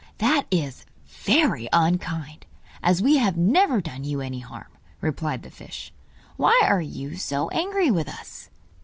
'That is very unkind, as we have never done you any harm,' replied the fish. 'Why are you so angry with us?